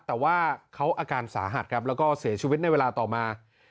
แต่ว่าเขาอาการสาหัสครับแล้วก็เสียชีวิตในเวลาต่อมา